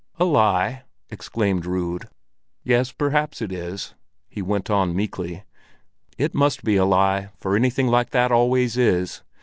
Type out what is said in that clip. "A lie?" exclaimed Rud. "Yes, perhaps it is," he went on meekly. "It must be a lie, for anything like that always is.